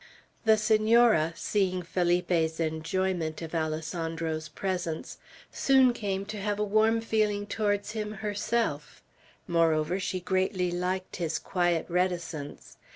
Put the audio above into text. The Senora, seeing Felipe's enjoyment of Alessandro's presence, soon came to have a warm feeling towards him herself; moreover, she greatly liked his quiet reticence.